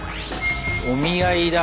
お見合いだ。